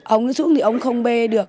ông xuống thì ông không bê được